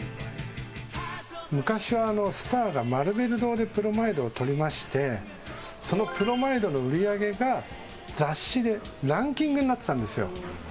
昔はスターがマルベル堂でプロマイドを撮りまして、そのプロマイドの売り上げが雑誌でランキングになっていたんですよ。